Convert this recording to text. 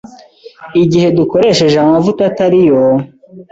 igihe dukoresheje amavuta atariyo